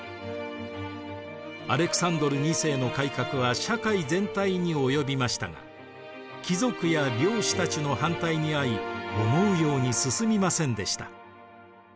アレクサンドル２世の改革は社会全体に及びましたが貴族や領主たちの反対に遭い思うように進みませんでした。